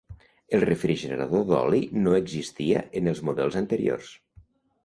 El refrigerador d'oli no existia en els models anteriors.